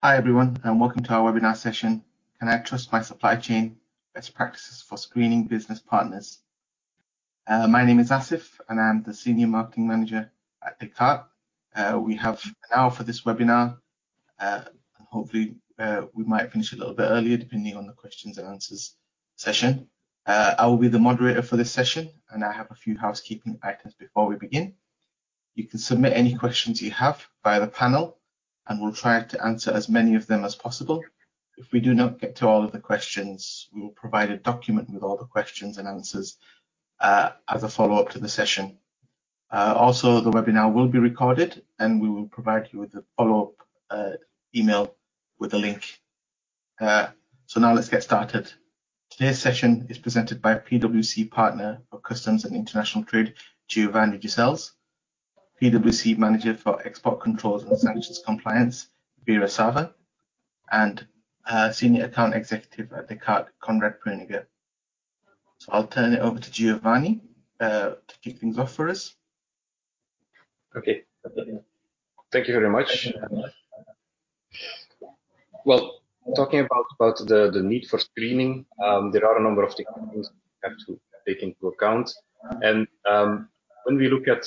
Hi, everyone. Welcome to our webinar session, Can I Trust My Supply Chain? Best Practices for Screening Business Partners. My name is Asif, and I'm the senior marketing manager at Descartes. We have 1 hour for this webinar. Hopefully, we might finish a little bit earlier, depending on the questions and answers session. I will be the moderator for this session, and I have a few housekeeping items before we begin. You can submit any questions you have via the panel, and we'll try to answer as many of them as possible. If we do not get to all of the questions, we will provide a document with all the questions and answers as a follow-up to the session. Also, the webinar will be recorded, and we will provide you with a follow-up email with a link. Now let's get started. Today's session is presented by a PwC partner for customs and international trade, Giovanni Gijsels, PwC manager for export controls and sanctions compliance, Vira Savva, and senior account executive at Descartes, Konrad Preuninger. I'll turn it over to Giovanni to kick things off for us. Okay. Thank you very much. Talking about the need for screening, there are a number of things you have to take into account. When we look at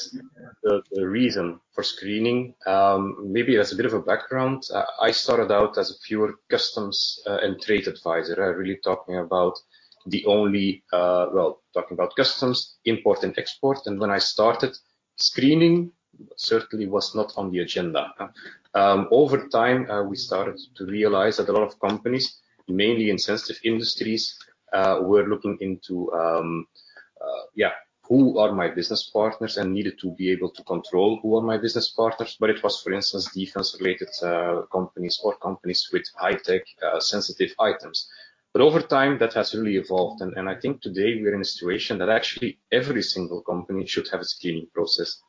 the reason for screening, maybe as a bit of a background, I started out as a fewer customs and trade advisor. I really talking about the only, talking about customs, import and export. When I started, screening certainly was not on the agenda. Over time, we started to realize that a lot of companies, mainly in sensitive industries, were looking into, yeah, who are my business partners, needed to be able to control who are my business partners. It was, for instance, defense-related companies or companies with high-tech sensitive items. Over time, that has really evolved, and I think today we are in a situation that actually every single company should have a screening process.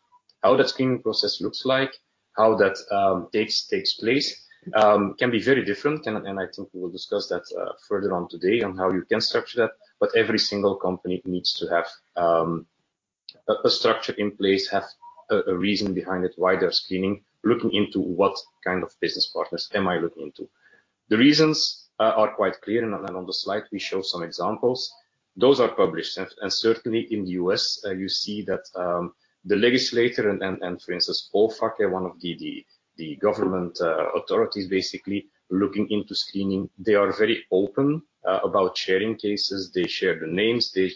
How that screening process looks like, how that takes place can be very different, and I think we will discuss that further on today on how you can structure that. Every single company needs to have a structure in place, have a reason behind it, why they're screening, looking into what kind of business partners am I looking into. The reasons are quite clear, and on the slide, we show some examples. Those are published, and certainly in the U.S., you see that the legislator and, for instance, OFAC, one of the government authorities, basically looking into screening, they are very open about sharing cases. They share the names, they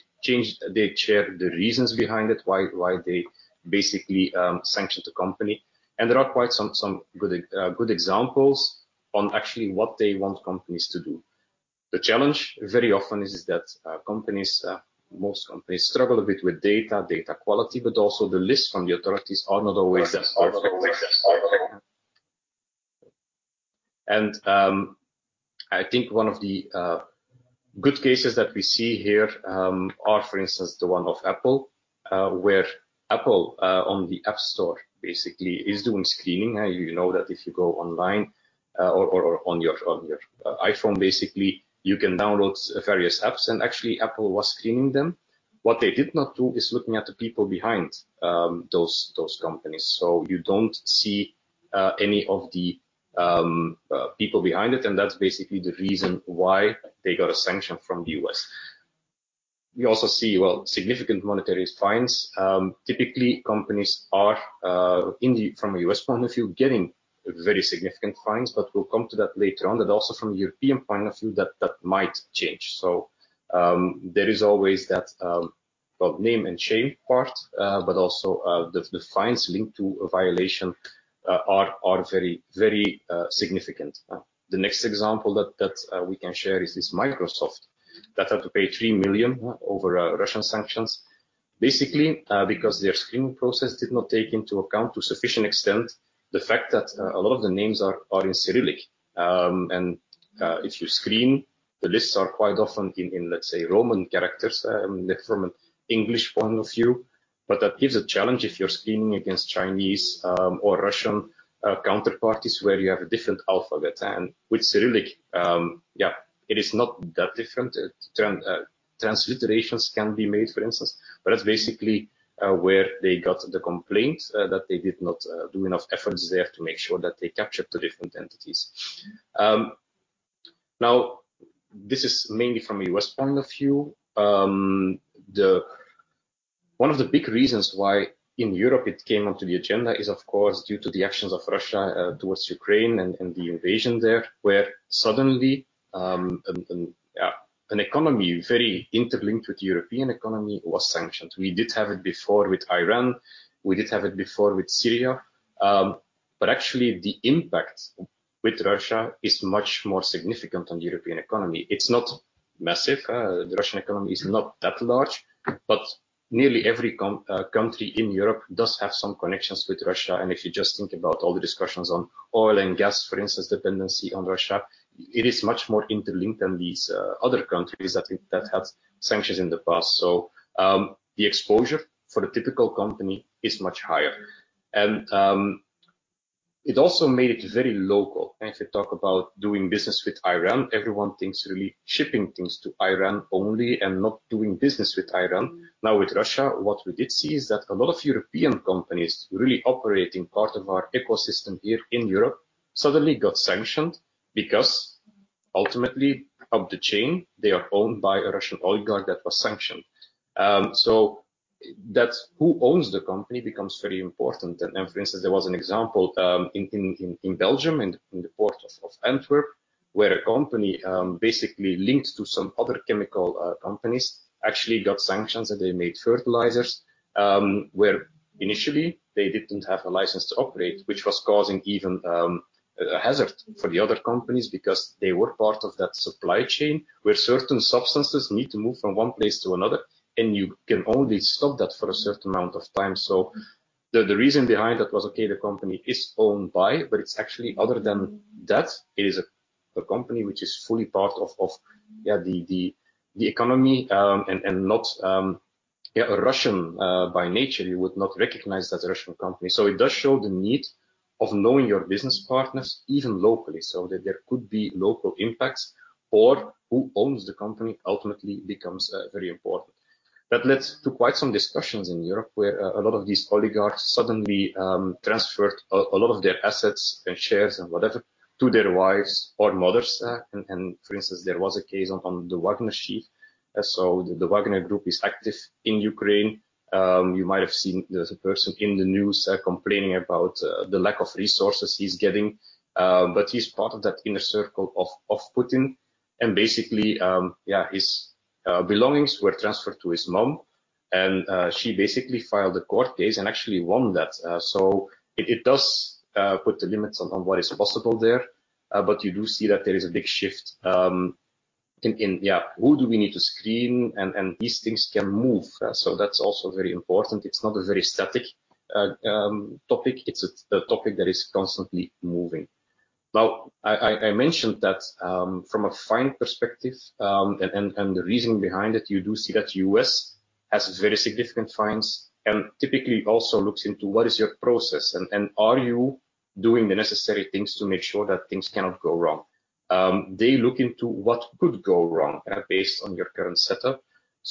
share the reasons behind it, why they basically sanctioned the company, and there are quite some good examples on actually what they want companies to do. The challenge very often is that companies, most companies struggle a bit with data quality, but also the lists from the authorities are not always perfect. I think one of the good cases that we see here are, for instance, the one of Apple, where Apple on the App Store, basically is doing screening. You know that if you go online, or on your iPhone, basically, you can download various apps, and actually, Apple was screening them. What they did not do is looking at the people behind those companies. You don't see any of the people behind it, and that's basically the reason why they got a sanction from the U.S. We also see, well, significant monetary fines. Typically, companies are in the from a U.S. point of view, getting very significant fines, but we'll come to that later on, and also from a European point of view, that might change. There is always that, well, name and shame part, but also the fines linked to a violation are very significant. The next example that we can share is this Microsoft, that had to pay $3 million over Russian sanctions, basically, because their screening process did not take into account to sufficient extent the fact that a lot of the names are in Cyrillic. If you screen, the lists are quite often in, let's say, Roman characters, from an English point of view, but that gives a challenge if you're screening against Chinese, or Russian counterparties, where you have a different alphabet and with Cyrillic, yeah, it is not that different. Transliterations can be made, for instance, but that's basically, where they got the complaint that they did not do enough efforts there to make sure that they captured the different entities. This is mainly from a US point of view. One of the big reasons why in Europe it came onto the agenda is, of course, due to the actions of Russia towards Ukraine and the invasion there, where suddenly, yeah, an economy very interlinked with the European economy was sanctioned. We did have it before with Iran, we did have it before with Syria, but actually the impact with Russia is much more significant on the European economy. It's not massive. The Russian economy is not that large, but nearly every country in Europe does have some connections with Russia. If you just think about all the discussions on oil and gas, for instance, dependency on Russia, it is much more interlinked than these other countries that had sanctions in the past. The exposure for the typical company is much higher. It also made it very local. If you talk about doing business with Iran, everyone thinks really shipping things to Iran only and not doing business with Iran. Now, with Russia, what we did see is that a lot of European companies really operate in part of our ecosystem here in Europe, suddenly got sanctioned because ultimately, up the chain, they are owned by a Russian oligarch that was sanctioned. That's who owns the company becomes very important. For instance, there was an example in Belgium, in the port of Antwerp, where a company basically linked to some other chemical companies actually got sanctions, and they made fertilizers. Where initially they didn't have a license to operate, which was causing even a hazard for the other companies because they were part of that supply chain, where certain substances need to move from one place to another, and you can only stop that for a certain amount of time. The reason behind that was, okay, the company is owned by, but it's actually other than that, it is a company which is fully part of the economy, and not Russian by nature. You would not recognize that's a Russian company. It does show the need of knowing your business partners, even locally, so that there could be local impacts or who owns the company ultimately becomes very important. That led to quite some discussions in Europe, where a lot of these oligarchs suddenly transferred a lot of their assets and shares and whatever, to their wives or mothers, and for instance, there was a case on the Wagner chief. The Wagner Group is active in Ukraine. You might have seen there's a person in the news complaining about the lack of resources he's getting, but he's part of that inner circle of Putin. Basically, yeah, his belongings were transferred to his mom, and she basically filed a court case and actually won that. It does put the limits on what is possible there, but you do see that there is a big shift in yeah, who do we need to screen? These things can move. That's also very important. It's not a very static topic. It's a topic that is constantly moving. I mentioned that, from a fine perspective, and the reasoning behind it, you do see that U.S. has very significant fines and typically also looks into what is your process and are you doing the necessary things to make sure that things cannot go wrong? They look into what could go wrong, based on your current setup.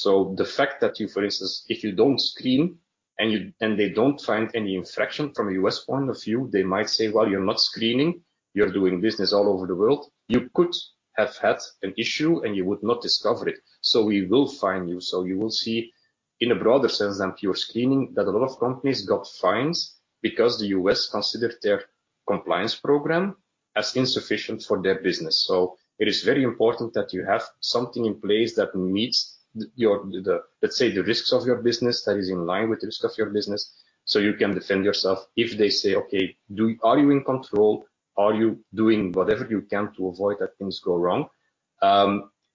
The fact that you, for instance, if you don't screen and they don't find any infraction from a U.S. point of view, they might say, "Well, you're not screening. You're doing business all over the world. You could have had an issue, and you would not discover it, so we will fine you." You will see, in a broader sense than pure screening, that a lot of companies got fines because the U.S. considered their compliance program as insufficient for their business. It is very important that you have something in place that meets the, let's say, the risks of your business, that is in line with the risk of your business, so you can defend yourself if they say, "Okay, are you in control? Are you doing whatever you can to avoid that things go wrong?"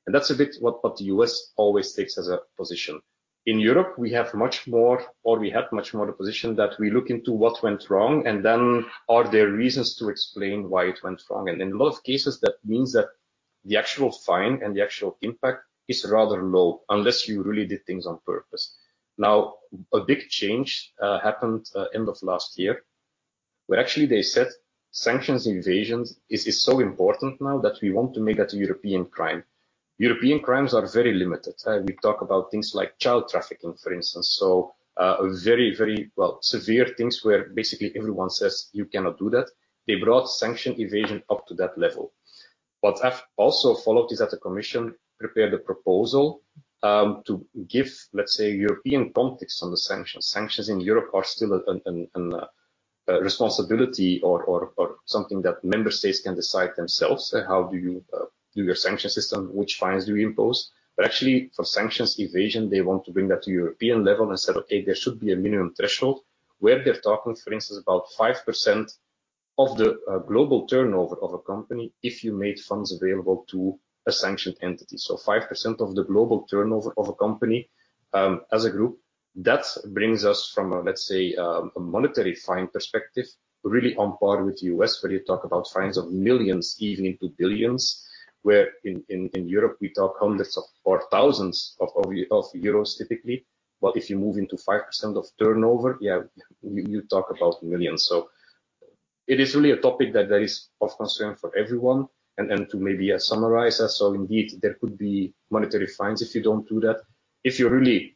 And that's a bit what the U.S. always takes as a position. In Europe, we have much more, or we had much more, the position that we look into what went wrong, and then are there reasons to explain why it went wrong? In a lot of cases, that means that the actual fine and the actual impact is rather low unless you really did things on purpose. A big change happened end of last year, where actually they said sanction evasion is so important now that we want to make that a European crime. European crimes are very limited. We talk about things like child trafficking, for instance. Very, very well, severe things where basically everyone says you cannot do that. They brought sanction evasion up to that level. I've also followed is that the Commission prepared a proposal to give, let's say, European context on the sanctions. Sanctions in Europe are still a responsibility or something that member states can decide themselves. How do you do your sanction system? Which fines do we impose? Actually, for sanctions evasion, they want to bring that to European level and said, "Okay, there should be a minimum threshold," where they're talking, for instance, about 5% of the global turnover of a company if you made funds available to a sanctioned entity. 5% of the global turnover of a company as a group, that brings us from a, let's say, a monetary fine perspective, really on par with the U.S., where you talk about fines of $ millions, even into $ billions. Where in Europe, we talk hundreds of or thousands of euros typically. If you move into 5% of turnover, yeah, you talk about millions. It is really a topic that is of concern for everyone and to maybe summarize that. Indeed, there could be monetary fines if you don't do that. If you're really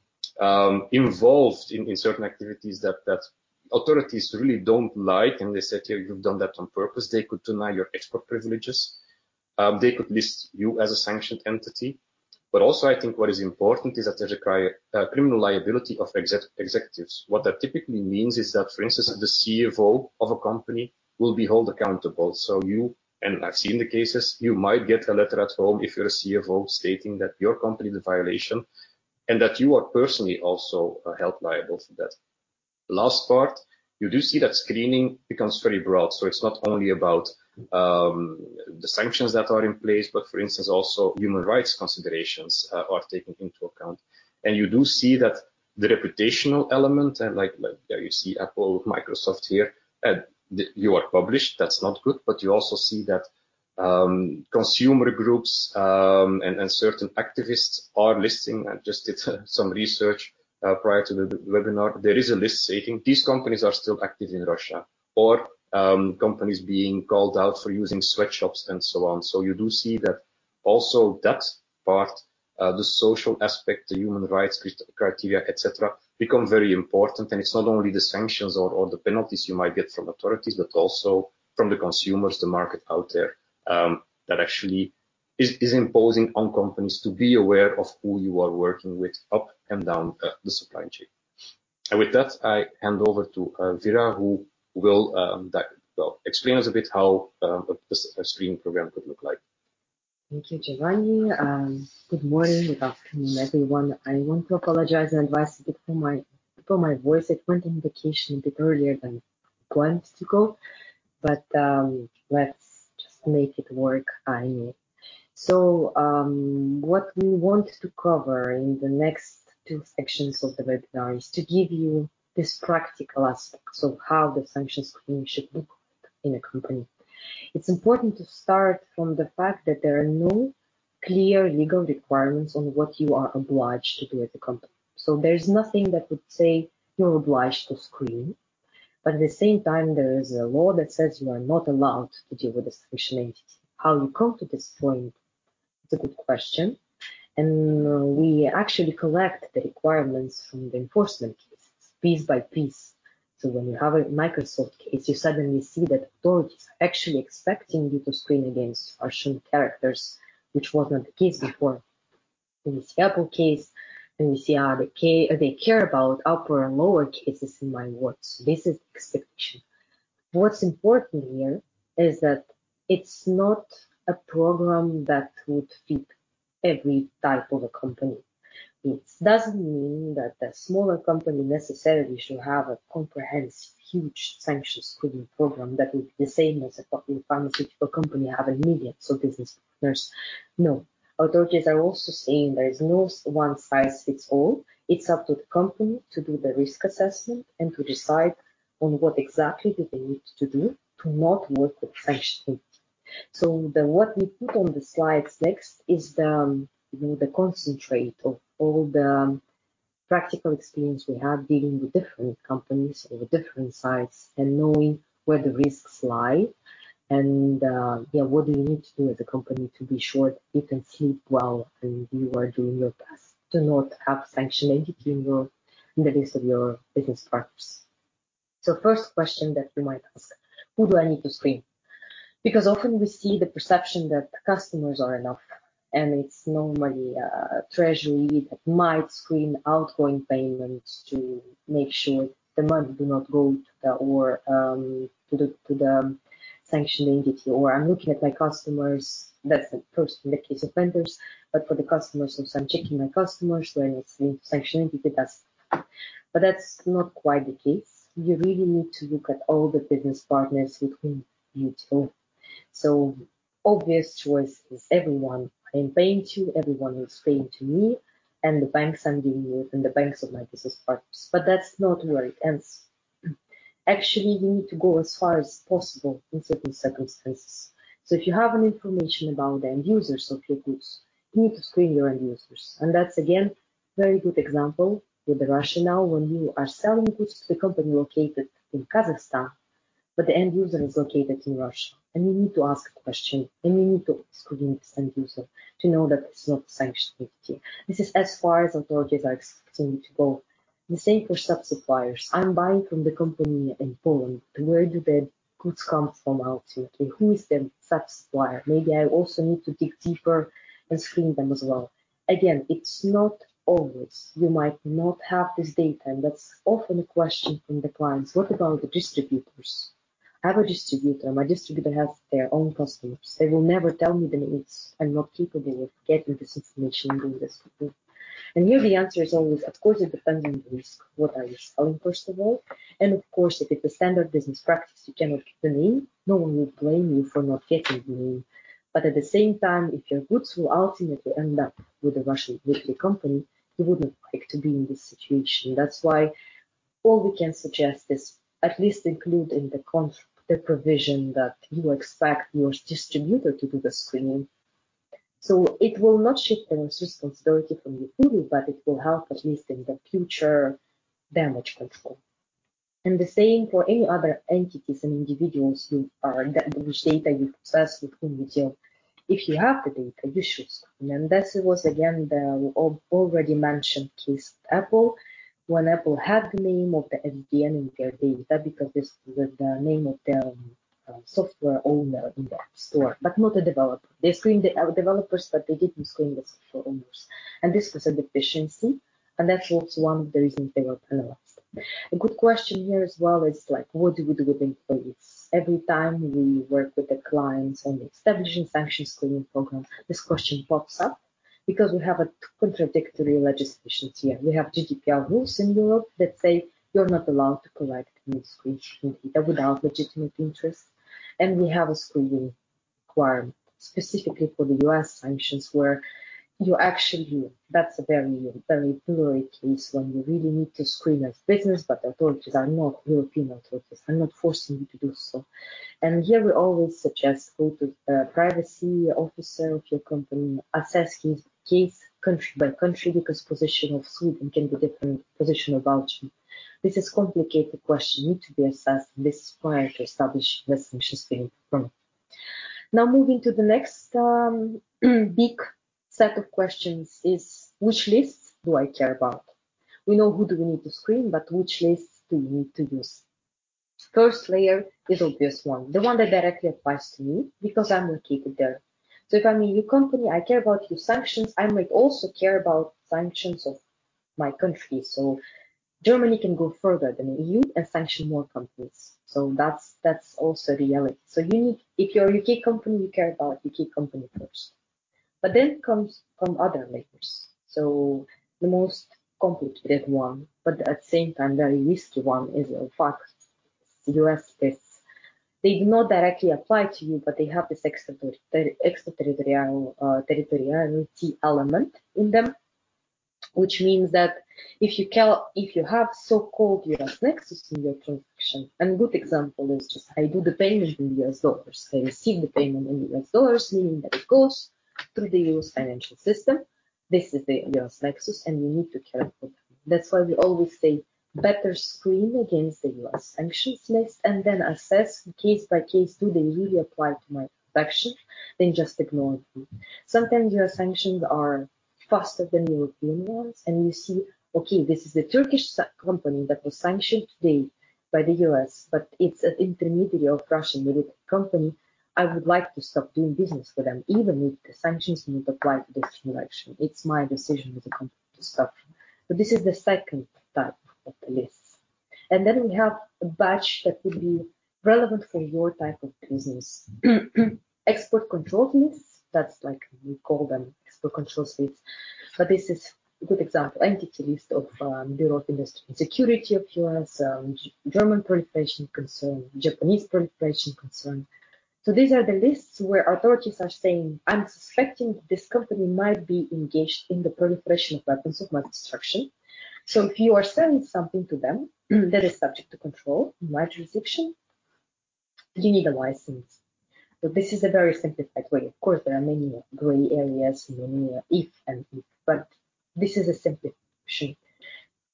involved in certain activities that authorities really don't like, and they say, "Hey, you've done that on purpose," they could deny your export privileges. They could list you as a sanctioned entity. Also, I think what is important is that there's a criminal liability of executives. What that typically means is that, for instance, the CFO of a company will be held accountable. You, and I've seen the cases, you might get a letter at home, if you're a CFO, stating that your company is in violation and that you are personally also held liable for that. Last part, you do see that screening becomes very broad, so it's not only about the sanctions that are in place, but for instance, also, human rights considerations are taken into account. You do see that the reputational element, and like there you see Apple, Microsoft here, and you are published. That's not good, but you also see that consumer groups, and certain activists are listing. I just did some research prior to the webinar. There is a list stating these companies are still active in Russia, or companies being called out for using sweatshops and so on. You do see that also that part-... the social aspect, the human rights criteria, et cetera, become very important. It's not only the sanctions or the penalties you might get from authorities, but also from the consumers, the market out there, that actually is imposing on companies to be aware of who you are working with up and down the supply chain. With that, I hand over to Vira, who will well, explain us a bit how a screening program could look like. Thank you, Giovanni. Good morning, welcome everyone. I want to apologize in advance a bit for my voice. It went on vacation a bit earlier than it planned to go, but let's just make it work anyway. What we want to cover in the next 2 sections of the webinar is to give you this practical aspects of how the sanctions screening should look in a company. It's important to start from the fact that there are no clear legal requirements on what you are obliged to do as a company. There's nothing that would say you're obliged to screen, but at the same time, there is a law that says you are not allowed to deal with a sanctioned entity. How you come to this point? It's a good question. We actually collect the requirements from the enforcement cases piece by piece. When you have a Microsoft case, you suddenly see that authorities are actually expecting you to screen against Russian characters, which was not the case before. In this Apple case. We see how they care about upper and lower cases in my words. This is exception. What's important here is that it's not a program that would fit every type of a company. It doesn't mean that a smaller company necessarily should have a comprehensive, huge sanctions screening program that would be the same as a pharmaceutical company have immediate, so business partners. No. Authorities are also saying there is no one-size-fits-all. It's up to the company to do the risk assessment and to decide on what exactly do they need to do to not work with sanctioned. What we put on the slides next is the, you know, the concentrate of all the practical experience we have dealing with different companies or different sites, and knowing where the risks lie, and, yeah, what do you need to do as a company to be sure that you can sleep well, and you are doing your best to not have sanctioned entity in your, in the list of your business partners. First question that you might ask, "Who do I need to screen?" Because often we see the perception that the customers are enough, and it's normally, treasury that might screen outgoing payments to make sure the money do not go to the war, to the, to the sanctioned entity, or I'm looking at my customers. That's the first in the case of vendors. For the customers, if I'm checking my customers, there is sanctioned entity, that's. That's not quite the case. You really need to look at all the business partners who you do. Obvious choice is everyone I'm paying to, everyone who's paying to me, and the banks I'm dealing with, and the banks of my business partners. That's not where it ends. Actually, you need to go as far as possible in certain circumstances. If you have any information about the end users of your goods, you need to screen your end users. That's again, very good example with Russia. When you are selling goods to a company located in Kazakhstan, but the end user is located in Russia, and you need to ask a question, and you need to screen the end user to know that it's not sanctioned entity. This is as far as authorities are expecting you to go. The same for sub-suppliers. I'm buying from the company in Poland, and where do the goods come from ultimately? Who is the sub-supplier? Maybe I also need to dig deeper and screen them as well. It's not always, you might not have this data, and that's often a question from the clients. What about the distributors? I have a distributor, and my distributor has their own customers. They will never tell me the names. I'm not capable of getting this information in this group. Here the answer is always, of course, it depends on the risk. What are you selling, first of all? Of course, if it's a standard business practice, you cannot get the name, no one will blame you for not getting the name. At the same time, if your goods will ultimately end up with a Russian company, you wouldn't like to be in this situation. All we can suggest is at least include in the provision that you expect your distributor to do the screening. It will not shift the responsibility from you fully, but it will help at least in the future damage control. The same for any other entities and individuals who are, that whose data you possess within the deal. If you have the data, you should screen. That was again, the already mentioned case, Apple. When Apple had the name of the MDN in their data, because this was the name of the software owner in the App Store, but not the developer. They screened the developers, but they didn't screen the software owners, and this was a deficiency, and that's also one of the reasons they were penalized. A good question here as well is like: What do we do with employees? Every time we work with the clients on establishing sanctions screening program, this question pops up because we have a contradictory legislations here. We have GDPR rules in Europe that say you're not allowed to collect and screen data without legitimate interest, we have a screening requirement specifically for the U.S. sanctions, where you that's a very, very blurry case when you really need to screen as business, but authorities are not European authorities, are not forcing you to do so. Here we always suggest go to privacy officer of your company, assess his case country by country, because position of Sweden can be different position of Belgium. This is complicated question, need to be assessed, this is prior to establish the sanctions screening program. Now moving to the next big set of questions is, which lists do I care about? We know who do we need to screen, which lists do we need to use? First layer is obvious one, the one that directly applies to me because I'm located there. If I'm a U.K. company, I care about U.S. sanctions. I might also care about sanctions of my country. Germany can go further than E.U. and sanction more companies. That's also the reality. If you're a U.K. company, you care about U.K. company first. Comes from other layers. The most complicated one, but at the same time, very easy one is, of course, U.S. lists. They do not directly apply to you, but they have this extra territoriality element in them, which means that if you have so-called U.S. nexus in your transaction, and good example is just I do the payment in U.S. dollars. I receive the payment in U.S. dollars, meaning that it goes through the U.S. financial system. This is the U.S. nexus, and you need to care about it. That's why we always say, better screen against the U.S. sanctions list and then assess case by case, do they really apply to my transaction than just ignoring it? Sometimes U.S. sanctions are faster than European ones, and you see, okay, this is a Turkish company that was sanctioned today by the U.S., but it's an intermediary of Russian company. I would like to stop doing business with them, even if the sanctions not apply to this transaction. It's my decision as a company to stop. This is the second type of the list. Then we have a batch that would be relevant for your type of business. Export control lists, that's like we call them export control lists, but this is a good example. Entity List of Bureau of Industry and Security of US, German proliferation concern, Japanese proliferation concern. These are the lists where authorities are saying, "I'm suspecting this company might be engaged in the proliferation of weapons of mass destruction." If you are selling something to them, that is subject to control, wide jurisdiction, you need a license. This is a very simplified way. Of course, there are many gray areas and many if and if, but this is a simplification.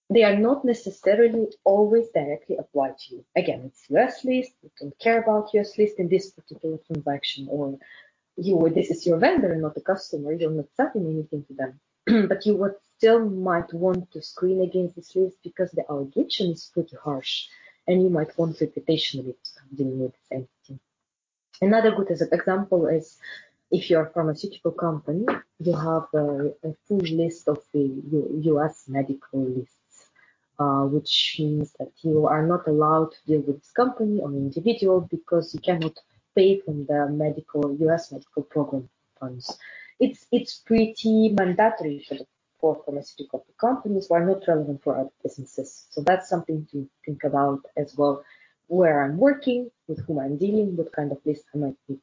They are not necessarily always directly applied to you. Again, it's US list. You don't care about US list in this particular transaction, or this is your vendor, not a customer. You're not selling anything to them. You would still might want to screen against this list because the allegation is pretty harsh, and you might want reputationally dealing with entity. Another good example is if you are a pharmaceutical company, you have a full list of the U.S. medical lists, which means that you are not allowed to deal with this company or individual because you cannot pay from the medical, U.S. medical program funds. It's pretty mandatory for pharmaceutical companies, but not relevant for other businesses. That's something to think about as well, where I'm working, with whom I'm dealing, what kind of list I might be.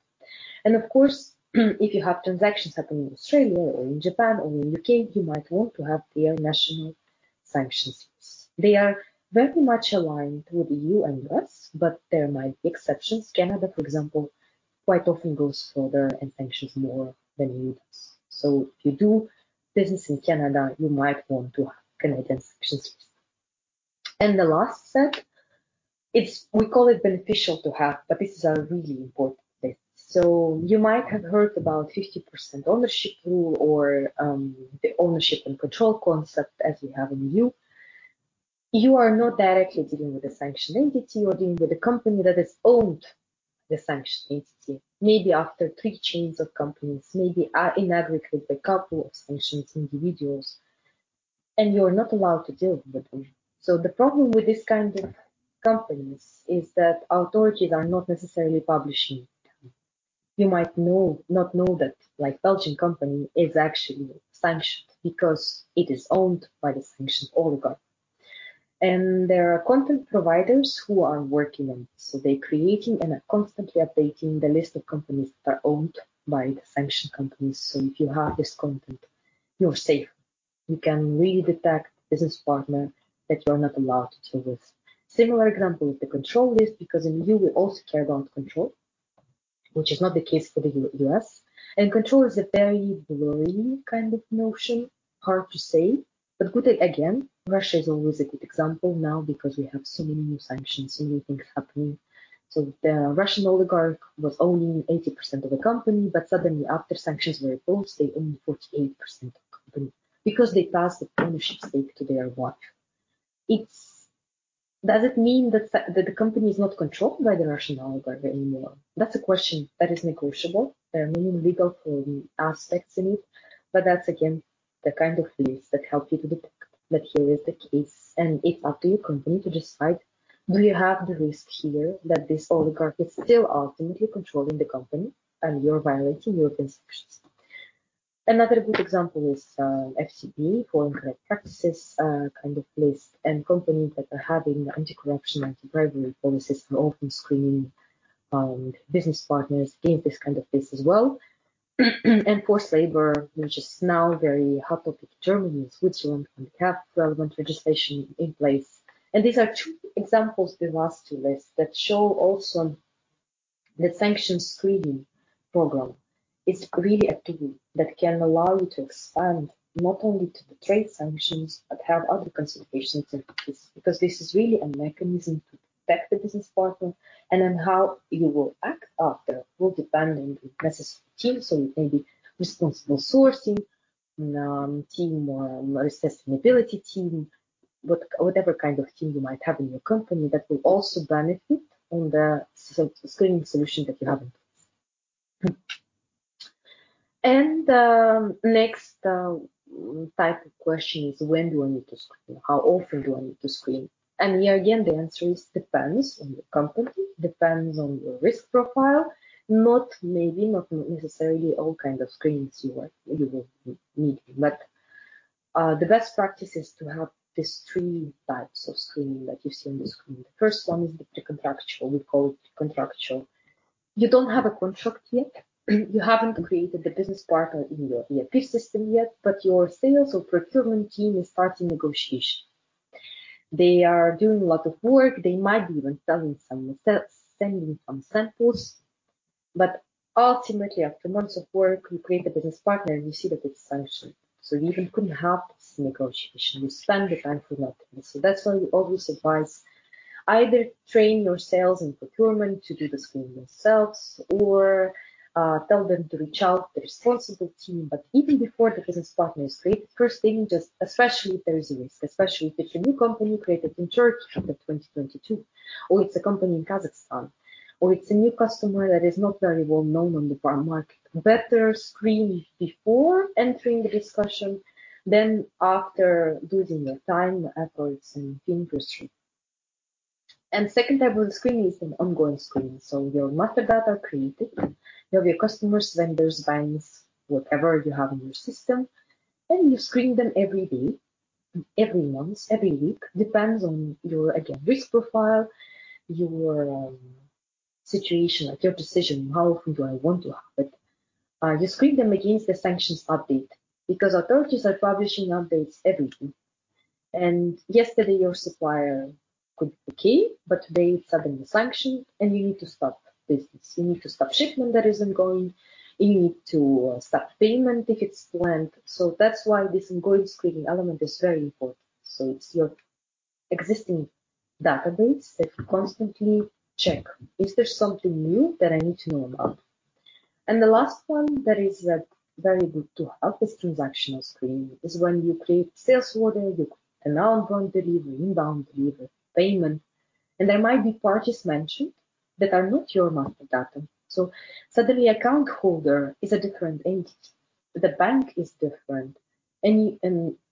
Of course, if you have transactions happening in Australia or in Japan or in U.K., you might want to have their national sanctions lists. They are very much aligned with the EU and U.S., but there might be exceptions. Canada, for example, quite often goes further and sanctions more than U.S. If you do business in Canada, you might want to have Canadian sanctions. The last set, we call it beneficial to have, but this is a really important thing. You might have heard about 50% ownership rule or the ownership and control concept, as we have in EU. You are not directly dealing with a sanctioned entity, you're dealing with a company that has owned the sanctioned entity. Maybe after 3 chains of companies, maybe in aggregate, a couple of sanctioned individuals, and you're not allowed to deal with them. The problem with this kind of companies is that authorities are not necessarily publishing. You might not know that, like, Belgian company is actually sanctioned because it is owned by the sanctioned oligarch. There are content providers who are working on this, so they're creating and constantly updating the list of companies that are owned by the sanctioned companies. If you have this content, you're safe. You can really detect business partner that you are not allowed to deal with. Similar example with the control list, because in EU, we also care about control, which is not the case for the US. Control is a very blurry kind of notion, hard to say, but good again. Russia is always a good example now because we have so many new sanctions, so many things happening. The Russian oligarch was owning 80% of the company, but suddenly, after sanctions were imposed, they owned 48% of the company because they passed the ownership stake to their wife. It's... Does it mean that the company is not controlled by the Russian oligarch anymore? That's a question that is negotiable. There are many legal aspects in it, but that's again, the kind of lists that help you to detect that here is the case. It's up to your company to decide, do you have the risk here that this oligarch is still ultimately controlling the company and you're violating European sanctions? Another good example is FCPA, Foreign Corrupt Practices, kind of list, and companies that are having anti-corruption, anti-bribery policies are often screening business partners in this kind of place as well. Forced labor, which is now very hot topic, Germany and Switzerland have relevant legislation in place. These are two examples, the last two lists, that show also the sanctions screening program. It's really a tool that can allow you to expand not only to the trade sanctions, but have other considerations in this. This is really a mechanism to protect the business partner. How you will act after will depend on the necessary team. It may be responsible sourcing team or sustainability team, whatever kind of team you might have in your company that will also benefit on the screening solution that you have. Next type of question is: When do I need to screen? How often do I need to screen? Here again, the answer is depends on your company, depends on your risk profile. Not maybe, not necessarily all kind of screens you are, you will be needing, but the best practice is to have these 3 types of screening that you see on the screen. The first one is the pre-contractual, we call it contractual. You don't have a contract yet. You haven't created the business partner in your ERP system yet. Your sales or procurement team is starting negotiation. They are doing a lot of work. They might be even selling some samples, sending some samples. Ultimately, after months of work, you create a business partner, and you see that it's sanctioned. You even couldn't have this negotiation. You spend the time for nothing. That's why we always advise either train your sales and procurement to do the screening themselves or tell them to reach out to the responsible team. Even before the business partner is created, first thing, just especially if there is a risk, especially if it's a new company created in Turkey after 2022, or it's a company in Kazakhstan, or it's a new customer that is not very well known on the market. Better screen before entering the discussion than after losing your time, efforts, and industry. Second type of screening is an ongoing screening. Your master data created, you have your customers, vendors, banks, whatever you have in your system, and you screen them every day, every month, every week. Depends on your, again, risk profile, your situation, like your decision, how often do I want to have it? You screen them against the sanctions update because authorities are publishing updates every day, and yesterday your supplier could be okay, but today it's suddenly sanctioned, and you need to stop business. You need to stop shipment that is ongoing. You need to stop payment if it's planned. That's why this ongoing screening element is very important. It's your existing database that you constantly check. Is there something new that I need to know about? The last one that is very good to have is transactional screening, is when you create sales order, you create an outbound delivery, inbound delivery, payment, and there might be parties mentioned that are not your master data. Suddenly, account holder is a different entity, the bank is different.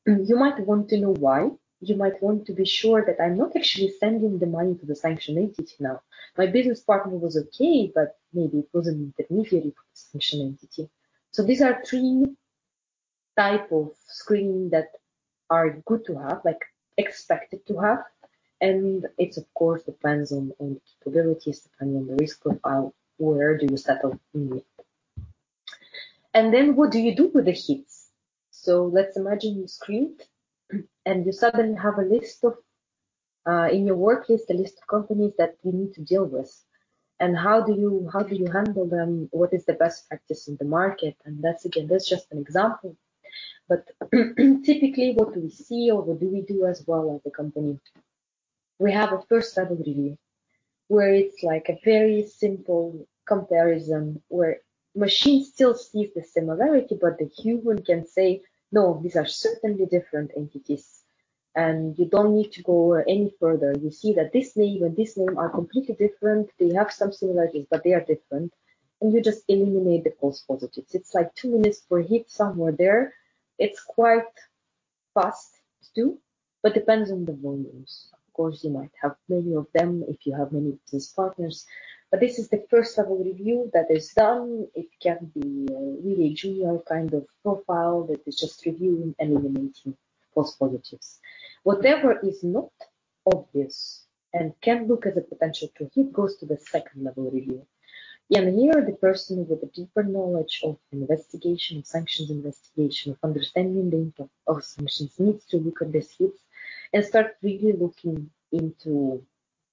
You might want to know why. You might want to be sure that I'm not actually sending the money to the sanctioned entity now. My business partner was okay, but maybe it was an intermediary sanctioned entity. These are three type of screening that are good to have, like expected to have, and it's of course, depends on capabilities, depending on the risk profile, where do you settle in it? Then what do you do with the hits? Let's imagine you screened, and you suddenly have a list of, in your workplace, a list of companies that you need to deal with, and how do you, how do you handle them? What is the best practice in the market? That's again, that's just an example. Typically, what do we see or what do we do as well as a company? We have a first-level review, where it's like a very simple comparison, where machine still sees the similarity, but the human can say, "No, these are certainly different entities," and you don't need to go any further. You see that this name and this name are completely different. They have some similarities, but they are different, and you just eliminate the false positives. It's like two minutes per hit, somewhere there. It's quite fast to do, but depends on the volumes. Of course, you might have many of them if you have many business partners, but this is the first-level review that is done. It can be a really junior kind of profile that is just reviewing and eliminating false positives. Whatever is not obvious and can look as a potential true hit, goes to the second-level review. Here, the person with a deeper knowledge of investigation, sanctions investigation, understanding the impact of sanctions, needs to look at these hits and start really looking into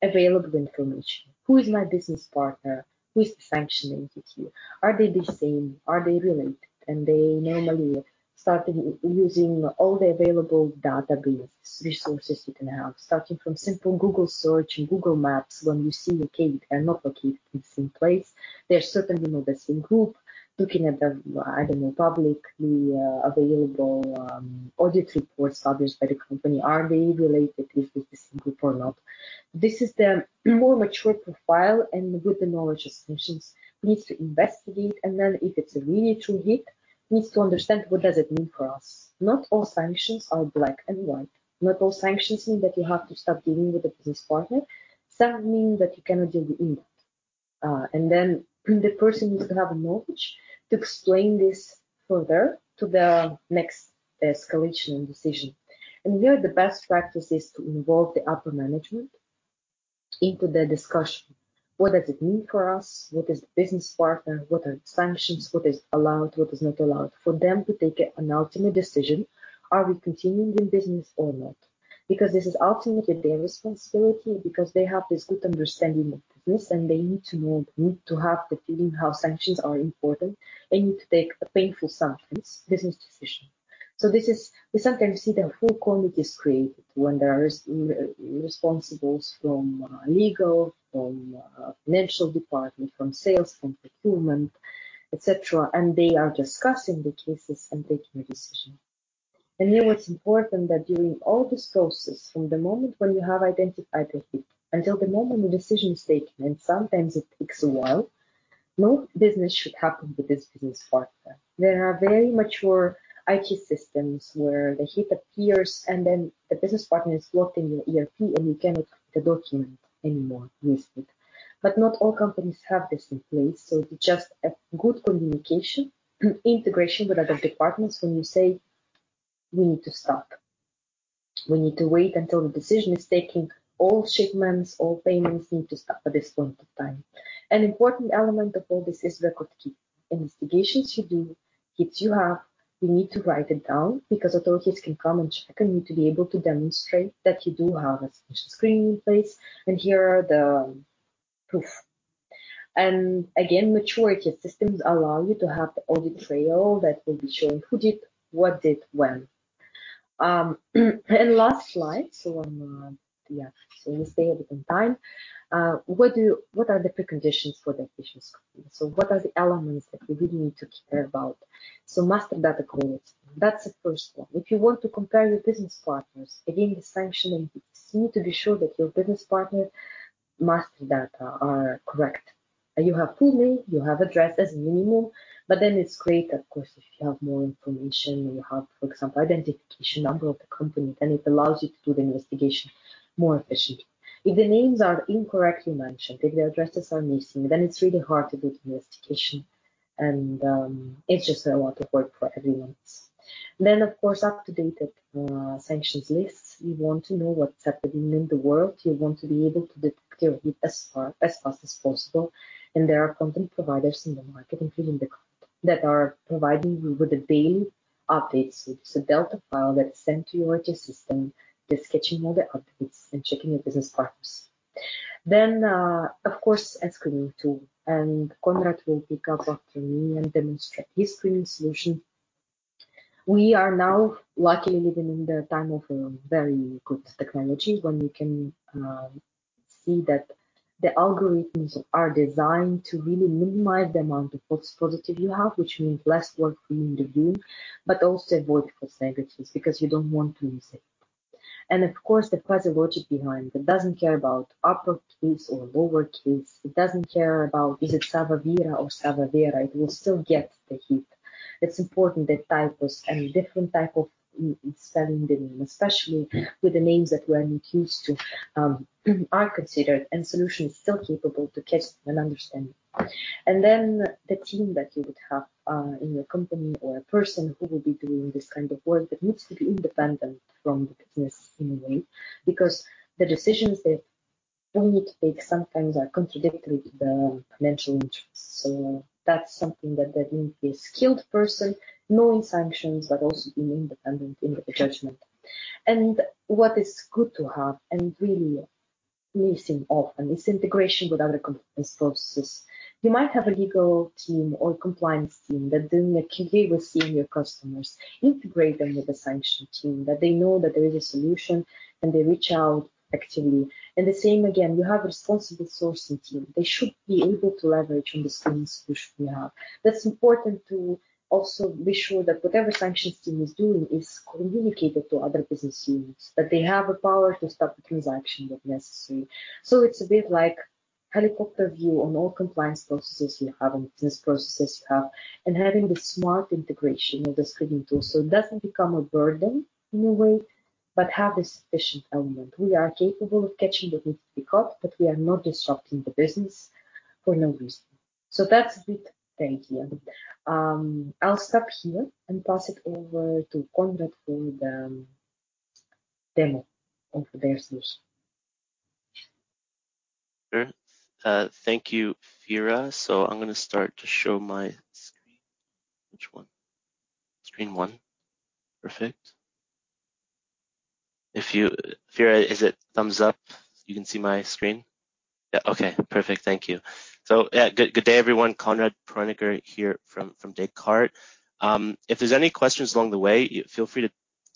available information. Who is my business partner? Who is the sanction entity? Are they the same? Are they related? They normally start using all the available database resources you can have, starting from simple Google search and Google Maps. When you see located and not located in the same place, they're certainly not the same group. Looking at the, I don't know, publicly available audit reports published by the company. Are they related? Is this the same group or not? This is the more mature profile and with the knowledge of sanctions, needs to investigate, and then if it's a really true hit, needs to understand what does it mean for us. Not all sanctions are black and white. Not all sanctions mean that you have to stop dealing with the business partner. Some mean that you cannot deal with either. Then the person needs to have knowledge to explain this further to the next escalation and decision. Here, the best practice is to involve the upper management into the discussion. What does it mean for us? What is the business partner? What are the sanctions? What is allowed, what is not allowed? For them to take an ultimate decision, are we continuing in business or not? Because this is ultimately their responsibility, because they have this good understanding of the business, and they need to know, need to have the feeling how sanctions are important. They need to take a painful sanctions business decision. This is, we sometimes see the whole committee is created when there is responsibles from legal, from financial department, from sales, from procurement, et cetera, and they are discussing the cases and taking a decision. Here it's important that during all this process, from the moment when you have identified the hit, until the moment the decision is taken, and sometimes it takes a while, no business should happen with this business partner. There are very mature IT systems where the hit appears, and then the business partner is locked in your ERP, and you cannot the document anymore, use it. Not all companies have this in place, so just a good communication, integration with other departments when you say, "We need to stop. We need to wait until the decision is taken. All shipments, all payments need to stop at this point of time." An important element of all this is record keeping. Investigations you do, hits you have, you need to write it down because authorities can come and check on you to be able to demonstrate that you do have a special screening in place, and here are the proof. Again, maturity systems allow you to have the audit trail that will be showing who did what, did when. Last slide, I'm... yeah, we stay a bit on time. What are the preconditions for the efficient screening? What are the elements that we really need to care about? Master data quality, that's the first one. If you want to compare your business partners, again, the sanctioning, you need to be sure that your business partner master data are correct. You have full name, you have address as minimal. It's great, of course, if you have more information, you have, for example, identification number of the company. It allows you to do the investigation more efficiently. If the names are incorrectly mentioned, if the addresses are missing, it's really hard to do the investigation. It's just a lot of work for everyone. Of course, up-to-date sanctions lists. You want to know what's happening in the world. You want to be able to detect it as fast as possible. There are content providers in the market, including the government, that are providing you with the daily updates. It's a delta file that's sent to your IT system, that's catching all the updates and checking your business partners. Of course, a screening tool, and Konrad will pick up after me and demonstrate his screening solution. We are now luckily living in the time of a very good technology, when we can see that the algorithms are designed to really minimize the amount of false positive you have, which means less work for you in the view, but also avoid false negatives because you don't want to miss it. Of course, the fuzzy logic behind it doesn't care about upper case or lower case. It doesn't care about is it SAVVA VIRA or savva vira, it will still get the hit. It's important that typos and different type of spelling the name, especially with the names that we are not used to, are considered, and solution is still capable to catch and understand. The team that you would have in your company or a person who will be doing this kind of work, that needs to be independent from the business in a way, because the decisions that they need to take sometimes are contradictory to the financial interests. That's something that need a skilled person, knowing sanctions, but also being independent in the judgment. What is good to have and really missing often is integration with other company's processes. You might have a legal team or compliance team that doing a QA with senior customers, integrate them with the sanction team, that they know that there is a solution, they reach out actively. The same again, you have a responsible sourcing team. They should be able to leverage on the screening solution you have. That's important to also be sure that whatever sanctions team is doing is communicated to other business units, that they have a power to stop the transaction if necessary. It's a bit like helicopter view on all compliance processes you have and business processes you have, and having the smart integration of the screening tool, so it doesn't become a burden in a way, but have a sufficient element. We are capable of catching what needs to be caught, we are not disrupting the business for no reason. That's a bit the idea. I'll stop here and pass it over to Konrad for the demo of their solution. Sure. Thank you, Vira. I'm gonna start to show my screen. Which one? Screen one. Perfect. If Vira, is it thumbs up, you can see my screen? Yeah. Okay, perfect. Thank you. Yeah, good day, everyone. Konrad Preuninger here from Descartes. If there's any questions along the way, feel free to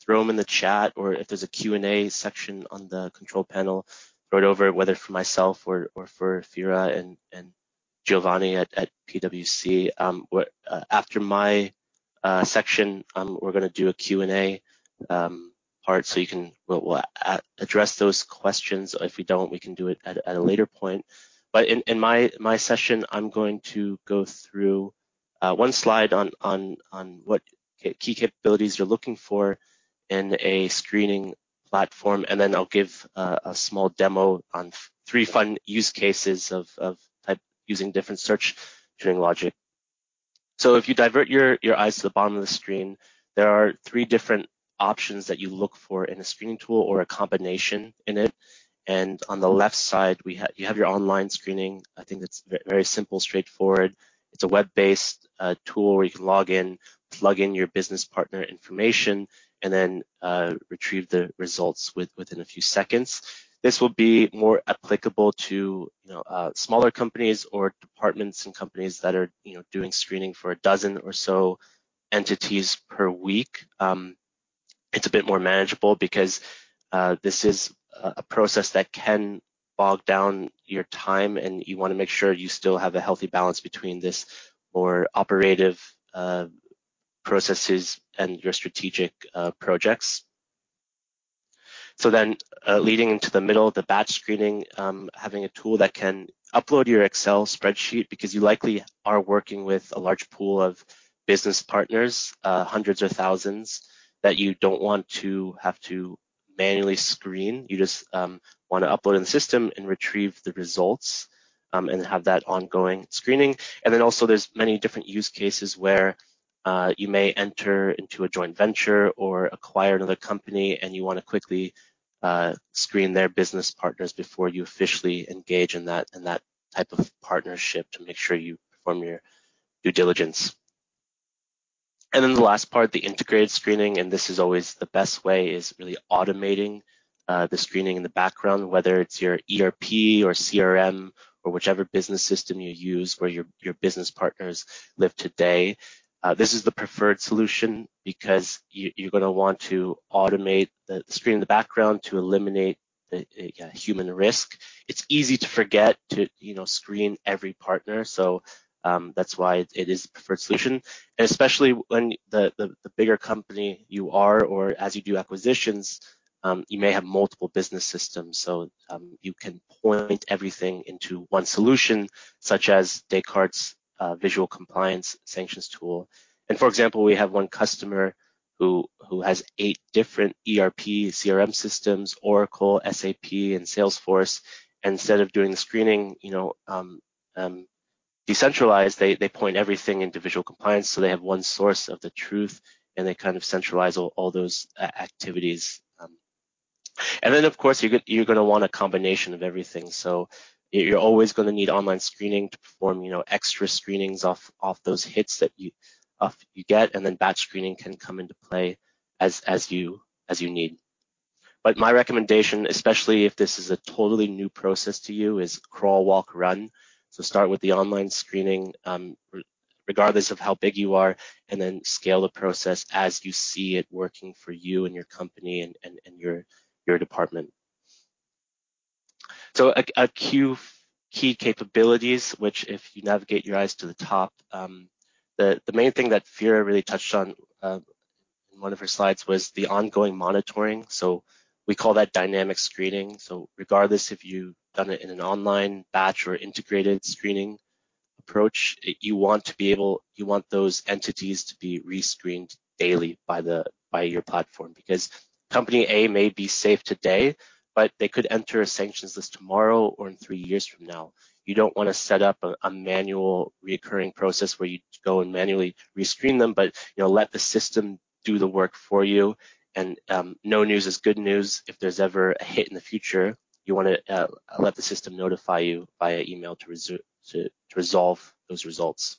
throw them in the chat, or if there's a Q&A section on the control panel, throw it over, whether for myself or for Vira and Giovanni at PwC. After my section, we're gonna do a Q&A part, so we'll address those questions. If we don't, we can do it at a later point. In my session, I'm going to go through one slide on what key capabilities you're looking for in a screening platform, and then I'll give a small demo on three fun use cases of type using different search screening logic. If you divert your eyes to the bottom of the screen, there are three different options that you look for in a screening tool or a combination in it. On the left side, you have your online screening. I think it's very simple, straightforward. It's a web-based tool where you can log in, plug in your business partner information, and then retrieve the results within a few seconds. This will be more applicable to, you know, smaller companies or departments and companies that are, you know, doing screening for 12 or so entities per week. It's a bit more manageable because this is a process that can bog down your time, and you want to make sure you still have a healthy balance between this or operative processes and your strategic projects. Leading into the middle of the batch screening, having a tool that can upload your Excel spreadsheet because you likely are working with a large pool of business partners, hundreds or thousands, that you don't want to have to manually screen. You just want to upload in the system and retrieve the results, and have that ongoing screening. There's many different use cases where you may enter into a joint venture or acquire another company, and you want to quickly screen their business partners before you officially engage in that type of partnership to make sure you perform your due diligence. The last part, the integrated screening, and this is always the best way, is really automating the screening in the background, whether it's your ERP or CRM or whichever business system you use, where your business partners live today. This is the preferred solution because you're gonna want to automate the screen in the background to eliminate the human risk. It's easy to forget to, you know, screen every partner, that's why it is the preferred solution. Especially when the bigger company you are or as you do acquisitions, you may have multiple business systems, so you can point everything into 1 solution, such as Descartes' Visual Compliance sanctions tool. For example, we have 1 customer who has 8 different ERP, CRM systems, Oracle, SAP, and Salesforce. Instead of doing the screening, you know, decentralized, they point everything into Visual Compliance, so they have 1 source of the truth, and they kind of centralize all those activities. Of course, you're gonna want a combination of everything. You're always gonna need online screening to perform, you know, extra screenings off those hits that you get, and then batch screening can come into play as you need. My recommendation, especially if this is a totally new process to you, is crawl, walk, run. Start with the online screening, regardless of how big you are, and then scale the process as you see it working for you and your company and your department. A few key capabilities, which, if you navigate your eyes to the top, the main thing that Vira really touched on in one of her slides, was the ongoing monitoring. We call that Dynamic Screening. Regardless if you've done it in an online, batch or integrated screening approach, you want those entities to be re-screened daily by your platform. Because Company A may be safe today, but they could enter a sanctions list tomorrow or in 3 years from now. You don't want to set up a manual recurring process where you go and manually re-screen them, you know, let the system do the work for you. No news is good news. If there's ever a hit in the future, you want to let the system notify you via email to resolve those results.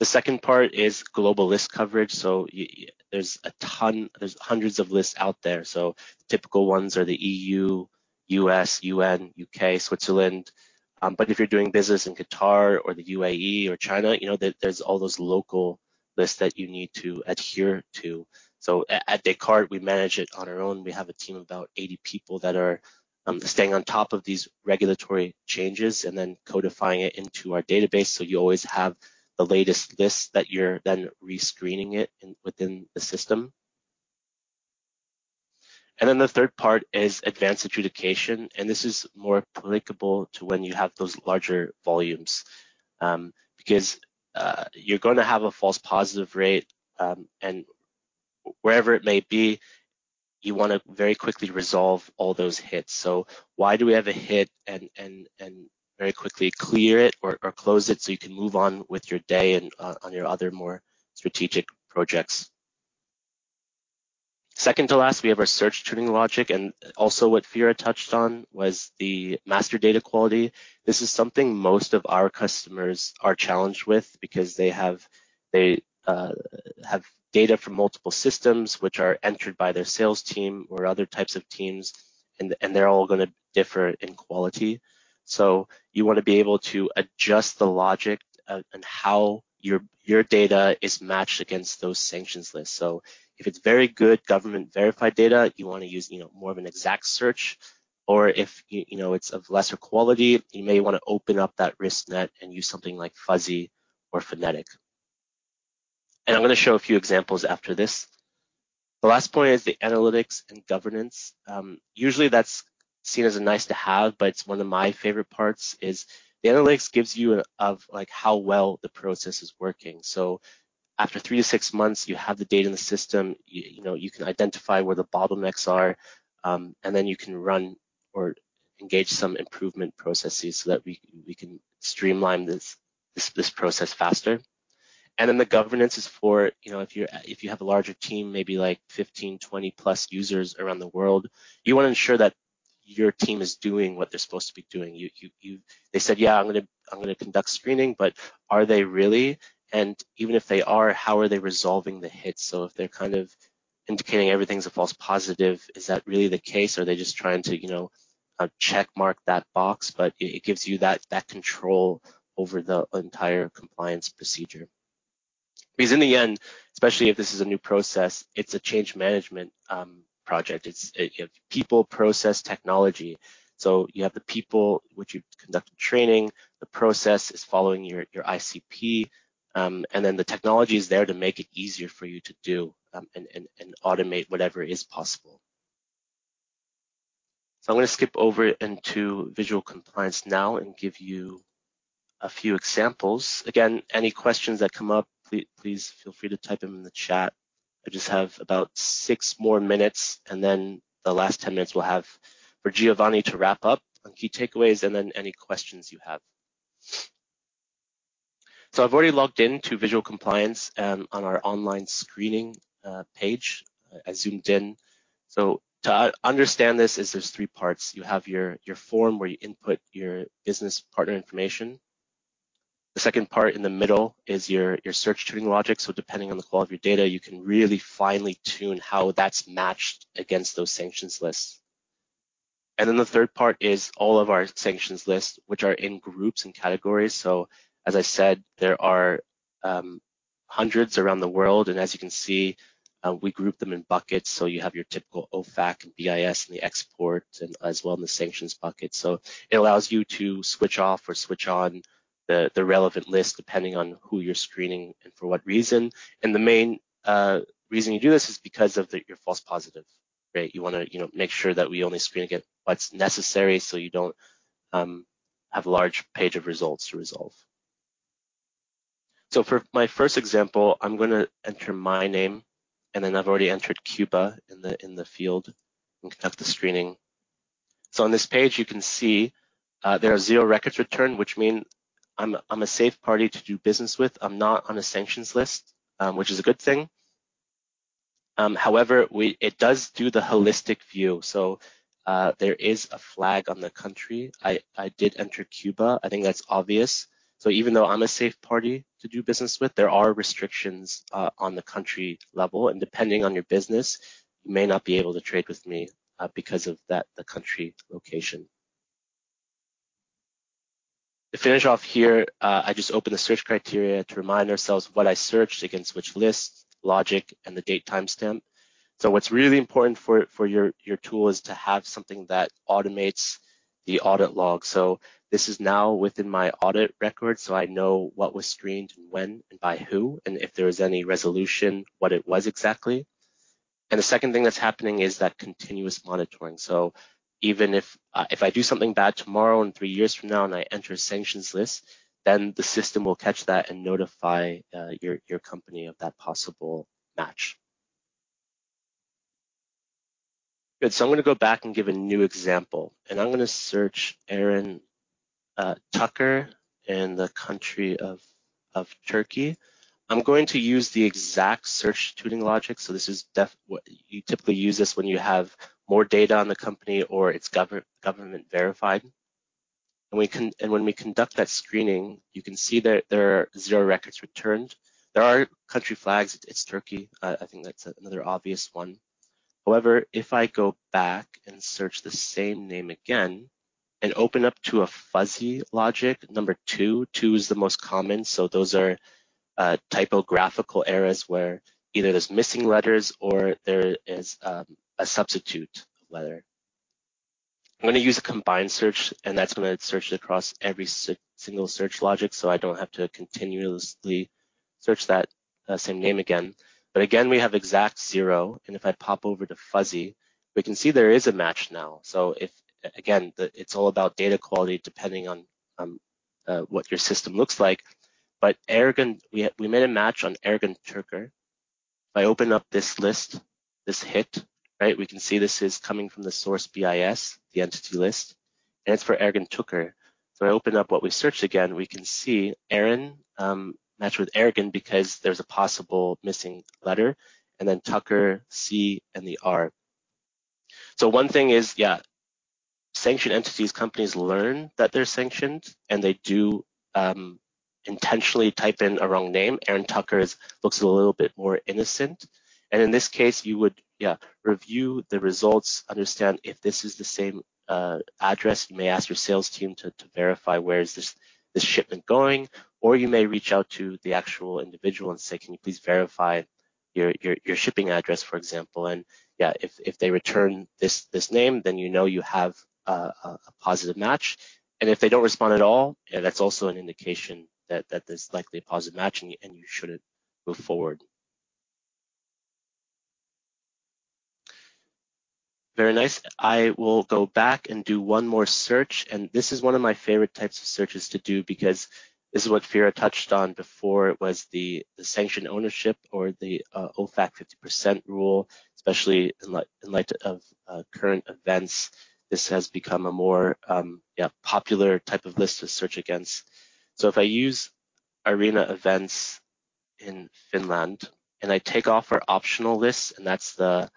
The second part is global list coverage. There's a ton, there's hundreds of lists out there. Typical ones are the E.U., U.S., U.N., U.K., Switzerland. If you're doing business in Qatar or the UAE or China, you know, there's all those local lists that you need to adhere to. At Descartes, we manage it on our own. We have a team of about 80 people that are staying on top of these regulatory changes and then codifying it into our database, so you always have the latest list that you're then re-screening it in, within the system. The third part is advanced adjudication, and this is more applicable to when you have those larger volumes. Because you're gonna have a false positive rate, and wherever it may be, you wanna very quickly resolve all those hits. Why do we have a hit? Very quickly clear it or close it, so you can move on with your day and on your other more strategic projects. Second to last, we have our search tuning logic, and also what Vira touched on was the master data quality. This is something most of our customers are challenged with because they have data from multiple systems which are entered by their sales team or other types of teams, and they're all gonna differ in quality. You want to be able to adjust the logic of, and how your data is matched against those sanctions lists. If it's very good government-verified data, you wanna use, you know, more of an exact search. If you know, it's of lesser quality, you may wanna open up that risk net and use something like fuzzy or phonetic. I'm gonna show a few examples after this. The last point is the analytics and governance. Usually, that's seen as a nice-to-have, but it's one of my favorite parts is the analytics gives you of, like, how well the process is working. After 3 to 6 months, you have the data in the system, you know, you can identify where the bottlenecks are, and then you can run or engage some improvement processes so that we can streamline this process faster. The governance is for, you know, if you're, if you have a larger team, maybe like 15, 20+ users around the world, you want to ensure that your team is doing what they're supposed to be doing. They said, "Yeah, I'm gonna conduct screening," but are they really? Even if they are, how are they resolving the hits? If they're kind of indicating everything's a false positive, is that really the case, or are they just trying to, you know, checkmark that box? It gives you that control over the entire compliance procedure. In the end, especially if this is a new process, it's a change management project. It's, you know, people, process, technology. You have the people, which you conduct training, the process is following your ICP, the technology is there to make it easier for you to do, and automate whatever is possible. I'm going to skip over into Visual Compliance now and give you a few examples. Again, any questions that come up, please feel free to type them in the chat. I just have about 6 more minutes, and then the last 10 minutes, we'll have for Giovanni to wrap up on key takeaways and then any questions you have. I've already logged in to Visual Compliance on our online screening page. I zoomed in. To understand this is there's 3 parts. You have your form, where you input your business partner information. The second part in the middle is your search tuning logic, so depending on the quality of your data, you can really finely tune how that's matched against those sanctions lists. The 3rd part is all of our sanctions lists, which are in groups and categories. As I said, there are hundreds around the world, and as you can see, we group them in buckets. You have your typical OFAC, and BIS, and the export, and as well, and the sanctions bucket. It allows you to switch off or switch on the relevant list, depending on who you're screening and for what reason. The main reason you do this is because of the, your false positive, right. You want to, you know, make sure that we only screen against what's necessary, so you don't have a large page of results to resolve. For my first example, I'm going to enter my name, and then I've already entered Cuba in the field and conduct the screening. On this page, you can see there are 0 records returned, which mean I'm a safe party to do business with. I'm not on a sanctions list, which is a good thing. However, it does do the holistic view, so there is a flag on the country. I did enter Cuba. I think that's obvious. Even though I'm a safe party to do business with, there are restrictions, on the country level, and depending on your business, you may not be able to trade with me, because of that, the country location. To finish off here, I just opened a search criteria to remind ourselves what I searched against which list, logic, and the date timestamp. What's really important for your tool is to have something that automates the audit log. This is now within my audit record, so I know what was screened, when, and by who, and if there is any resolution, what it was exactly. The second thing that's happening is that continuous monitoring. Even if I do something bad tomorrow and three years from now, and I enter a sanctions list, then the system will catch that and notify your company of that possible match. Good. I'm going to go back and give a new example, and I'm going to search Aaron Tucker in the country of Turkey. I'm going to use the exact search tuning logic, this is what you typically use this when you have more data on the company or it's government verified. When we conduct that screening, you can see that there are 0 records returned. There are country flags. It's Turkey. I think that's another obvious one. If I go back and search the same name again and open up to a fuzzy logic, number two is the most common, so those are typographical errors where either there's missing letters or there is a substitute letter. I'm going to use a combined search, and that's going to search across every single search logic, so I don't have to continuously search that same name again. Again, we have exact zero, and if I pop over to fuzzy, we can see there is a match now. If again, the, it's all about data quality, depending on what your system looks like. Ergun, we made a match on Ergun Tuker. If I open up this list, this hit, right, we can see this is coming from the source BIS, the Entity List, and it's for Ergun Tuker. I open up what we searched again, we can see Aaron matched with Ergun because there's a possible missing letter, and then Tucker, C, and the R. One thing is, yeah, sanctioned entities, companies learn that they're sanctioned, and they do intentionally type in a wrong name. Aaron Tucker looks a little bit more innocent, and in this case, you would, yeah, review the results, understand if this is the same address. You may ask your sales team to verify where is this shipment going, or you may reach out to the actual individual and say, "Can you please verify your shipping address," for example. Yeah, if they return this name, then you know you have a positive match, and if they don't respond at all, yeah, that's also an indication that there's likely a positive match, and you shouldn't move forward. Very nice. I will go back and do one more search, and this is one of my favorite types of searches to do because this is what Vira touched on before. It was the sanction ownership or the OFAC 50% rule, especially in light of current events. This has become a more popular type of list to search against. If I use Arena Events in Finland, and I take off our optional list, and that's the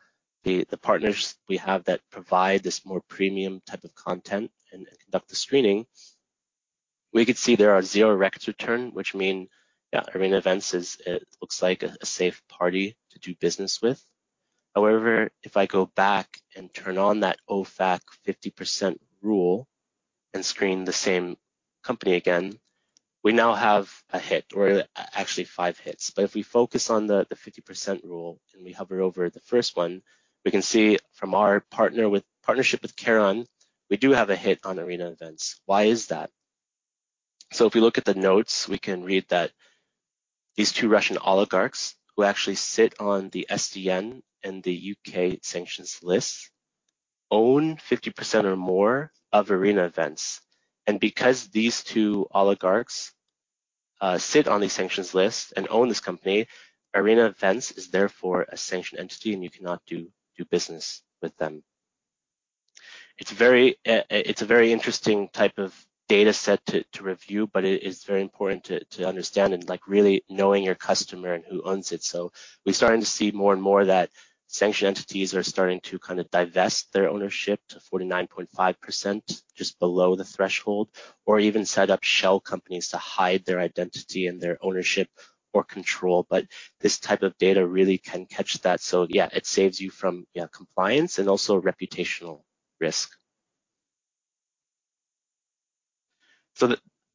partners we have that provide this more premium type of content and conduct the screening. We could see there are zero records returned, which mean, yeah, Arena Events is, it looks like a safe party to do business with. If I go back and turn on that OFAC 50% Rule and screen the same company again, we now have a hit, or actually 5 hits. If we focus on the 50% Rule, and we hover over the first one, we can see from our partnership with Kharon, we do have a hit on Arena Events. Why is that? If we look at the notes, we can read that these two Russian oligarchs, who actually sit on the SDN and the UK Sanctions List own 50% or more of Arena Events. Because these two oligarchs sit on the sanctions list and own this company, Arena Events is therefore a sanctioned entity, and you cannot do business with them. It's very, it's a very interesting type of data set to review, but it is very important to understand and, like, really knowing your customer and who owns it. We're starting to see more and more that sanctioned entities are starting to kind of divest their ownership to 49.5%, just below the threshold, or even set up shell companies to hide their identity and their ownership or control. This type of data really can catch that. Yeah, it saves you from compliance and also reputational risk.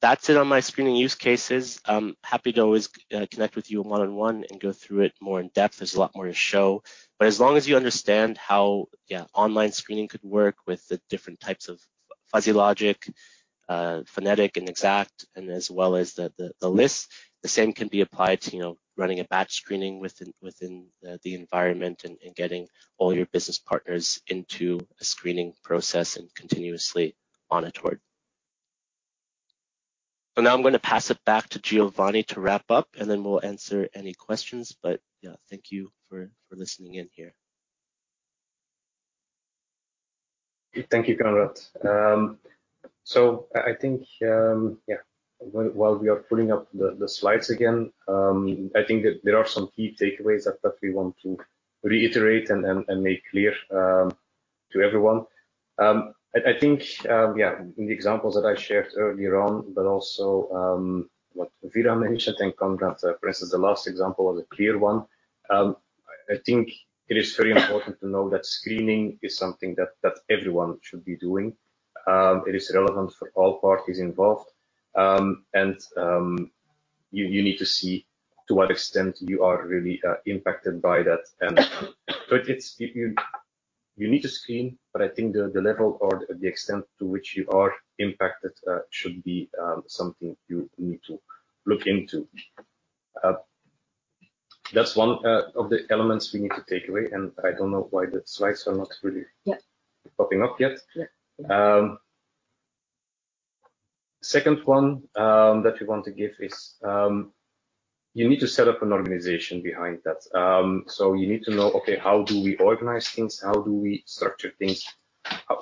That's it on my screening use cases. I'm happy to always connect with you one-on-one and go through it more in depth. There's a lot more to show, but as long as you understand how, yeah, online screening could work with the different types of fuzzy logic, phonetic, and exact, and as well as the list, the same can be applied to, you know, running a batch screening within the environment and getting all your business partners into a screening process and continuously monitor it. Now I'm gonna pass it back to Giovanni to wrap up, and then we'll answer any questions. Yeah, thank you for listening in here. Thank you, Konrad. I think, while we are pulling up the slides again, I think that there are some key takeaways that we want to reiterate and make clear to everyone. I think, in the examples that I shared earlier on, but also, what Vira mentioned, and Konrad, for instance, the last example was a clear one. I think it is very important to know that screening is something that everyone should be doing. It is relevant for all parties involved, and you need to see to what extent you are really impacted by that. it's... You need to screen, I think the level or the extent to which you are impacted should be something you need to look into. That's one of the elements we need to take away. I don't know why the slides are not. Yeah. popping up yet. Yeah. Second one that we want to give is you need to set up an organization behind that. You need to know, okay, how do we organize things? How do we structure things?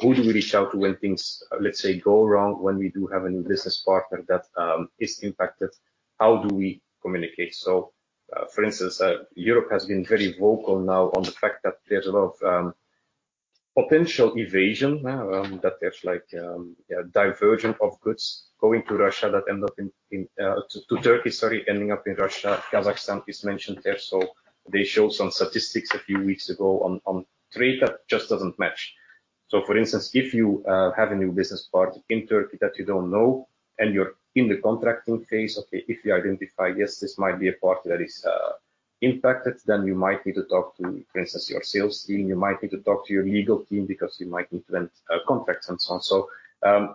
Who do we reach out to when things, let's say, go wrong, when we do have a new business partner that is impacted? How do we communicate? For instance, Europe has been very vocal now on the fact that there's a lot of potential evasion that there's diversion of goods going to Russia that end up in Turkey, sorry, ending up in Russia. Kazakhstan is mentioned there, they showed some statistics a few weeks ago on trade that just doesn't match. For instance, if you have a new business partner in Turkey that you don't know, and you're in the contracting phase, okay, if you identify, yes, this might be a party that is impacted, then you might need to talk to, for instance, your sales team. You might need to talk to your legal team because you might need to rent contracts and so on.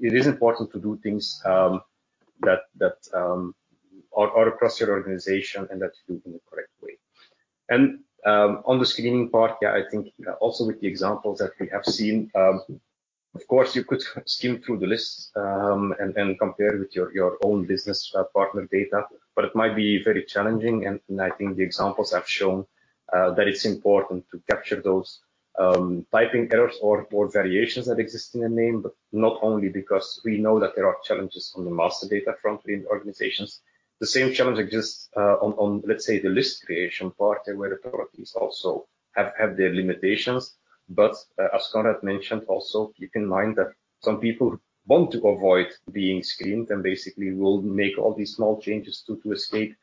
It is important to do things that are across your organization and that you do it in the correct way. On the screening part, yeah, I think also with the examples that we have seen, of course, you could skim through the list, and compare with your own business partner data, but it might be very challenging. I think the examples have shown that it's important to capture those typing errors or variations that exist in a name, not only because we know that there are challenges on the master data front in organizations. The same challenge exists on, let's say, the list creation part, where the products also have their limitations. As Konrad mentioned, also, keep in mind that some people want to avoid being screened and basically will make all these small changes to escape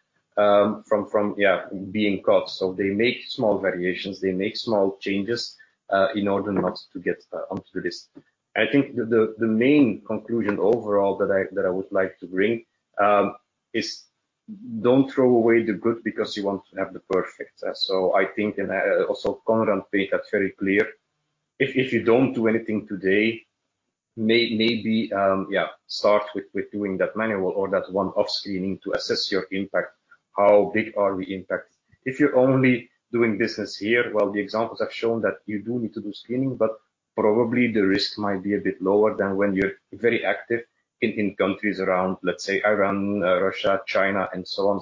being caught. They make small variations, they make small changes in order not to get onto the list. I think the main conclusion overall that I would like to bring is don't throw away the good because you want to have the perfect. I think, and also Konrad made that very clear, if you don't do anything today, maybe, yeah, start with doing that manual or that one off screening to assess your impact. How big are we impacted? If you're only doing business here, well, the examples have shown that you do need to do screening, but probably the risk might be a bit lower than when you're very active in countries around, let's say, Iran, Russia, China, and so on.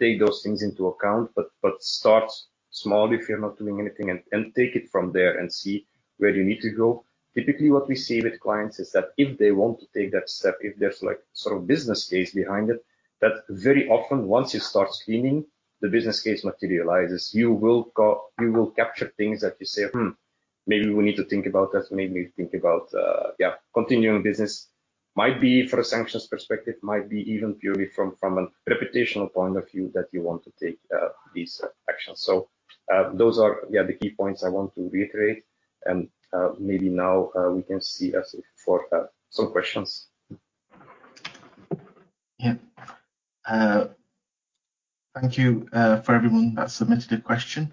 Take those things into account, but start small if you're not doing anything, and take it from there and see where you need to go. Typically, what we see with clients is that if they want to take that step, if there's, like, sort of business case behind it, that very often, once you start screening, the business case materializes. You will capture things that you say, "Hmm, maybe we need to think about this. Maybe think about, yeah, continuing business. Might be for a sanctions perspective, might be even purely from a reputational point of view that you want to take these actions. Those are, yeah, the key points I want to reiterate, maybe now we can see as for some questions. Yeah. Thank you for everyone that submitted a question.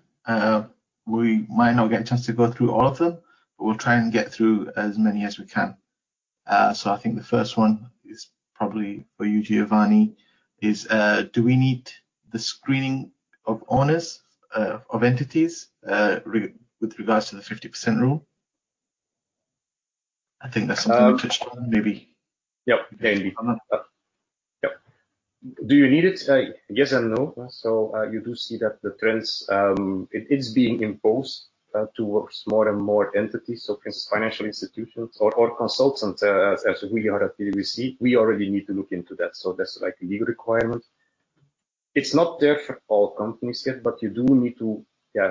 We might not get a chance to go through all of them, but we'll try and get through as many as we can. I think the first one is probably for you, Giovanni, is, do we need the screening of owners, of entities, with regards to the 50 percent rule? I think that's something you touched on, maybe. Yep. Yep. Do you need it? Yes and no. You do see that the trends, it is being imposed towards more and more entities, financial institutions or consultants, as we are at PwC, we already need to look into that. That's like a legal requirement. It's not there for all companies yet, but you do need to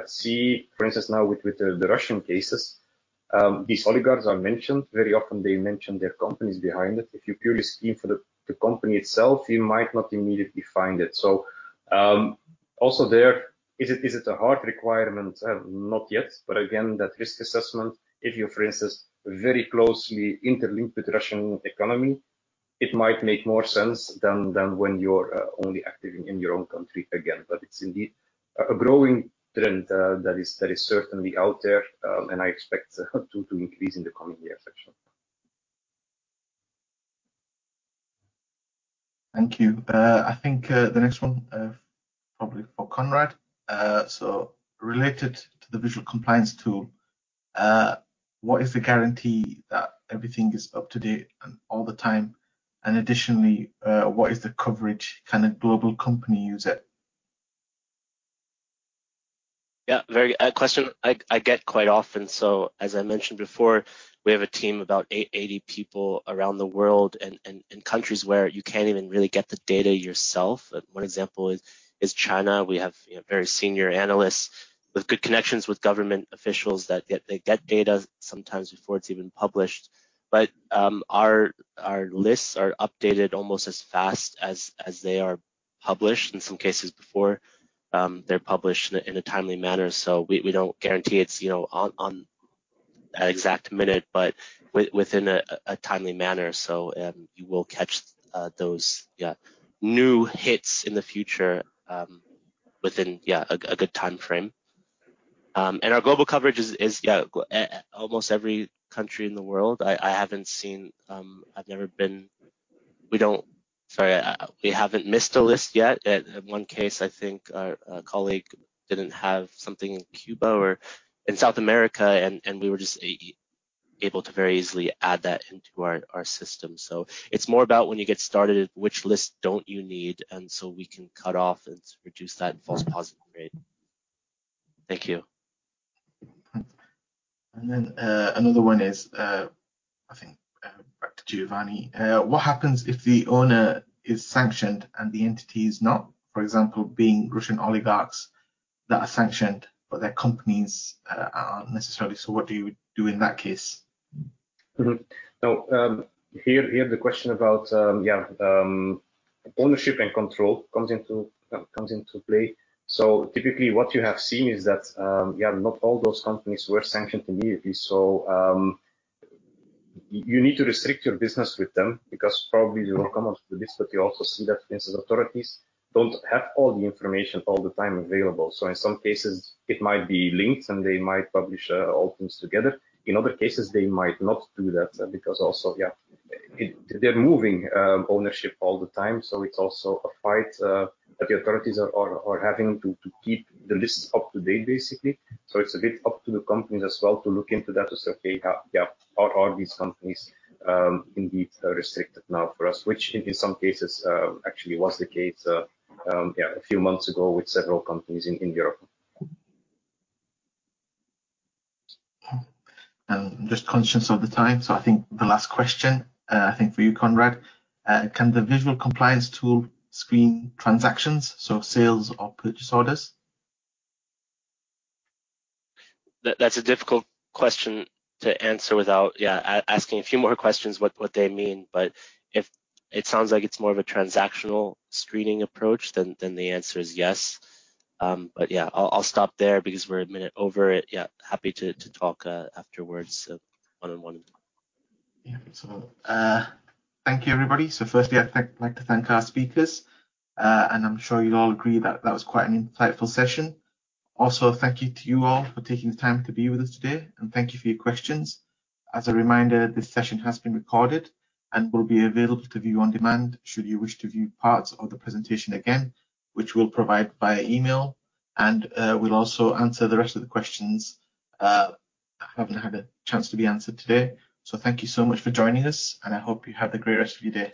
see, for instance, now with the Russian cases, these oligarchs are mentioned. Very often, they mention their companies behind it. If you purely screen for the company itself, you might not immediately find it. Also there, is it a hard requirement? Not yet. Again, that risk assessment, if you're, for instance, very closely interlinked with the Russian economy, it might make more sense than when you're only active in your own country again. It's indeed a growing trend that is certainly out there, and I expect it to increase in the coming years, actually. Thank you. I think the next one probably for Konrad. Related to the Visual Compliance Tool, what is the guarantee that everything is up to date and all the time? Additionally, what is the coverage? Can a global company use it? Very, question I get quite often. As I mentioned before, we have a team of about 80 people around the world and in countries where you can't even really get the data yourself. One example is China. We have, you know, very senior analysts with good connections with government officials that get... They get data sometimes before it's even published. Our, our lists are updated almost as fast as they are published, in some cases before, they're published in a, in a timely manner. We, we don't guarantee it's, you know, on that exact minute, but within a timely manner. You will catch, those, new hits in the future, within, a good time frame. Our global coverage is at almost every country in the world. I haven't seen, we haven't missed a list yet. At one case, I think our, a colleague didn't have something in Cuba or in South America, and we were just able to very easily add that into our system. It's more about when you get started, which list don't you need, and so we can cut off and reduce that false positive rate. Thank you. Another one is, I think, back to Giovanni. What happens if the owner is sanctioned and the entity is not, for example, being Russian oligarchs that are sanctioned, but their companies aren't necessarily? What do you do in that case? Now, here, the question about, yeah, ownership and control comes into play. Typically, what you have seen is that, yeah, not all those companies were sanctioned immediately. You need to restrict your business with them because probably you will come up with the list, but you also see that, for instance, authorities don't have all the information all the time available. In some cases, it might be linked, and they might publish all things together. In other cases, they might not do that because also, yeah, they're moving ownership all the time, so it's also a fight that the authorities are having to keep the list up to date, basically. It's a bit up to the companies as well to look into that to say, "Yeah, are these companies, indeed, restricted now for us?" Which in some cases, actually was the case, yeah, a few months ago with several companies in Europe. Just conscious of the time, so I think the last question, I think for you, Konrad. Can the Visual Compliance Tool screen transactions, so sales or purchase orders? That's a difficult question to answer without, yeah, asking a few more questions, what they mean. If it sounds like it's more of a transactional screening approach, then the answer is yes. Yeah, I'll stop there because we're a minute over it. Yeah, happy to talk afterwards, one on one. Yeah. Thank you, everybody. Firstly, I'd like to thank our speakers, and I'm sure you'll all agree that that was quite an insightful session. Also, thank you to you all for taking the time to be with us today, and thank you for your questions. As a reminder, this session has been recorded and will be available to view on demand, should you wish to view parts of the presentation again, which we'll provide via email, and we'll also answer the rest of the questions that haven't had a chance to be answered today. Thank you so much for joining us, and I hope you have a great rest of your day.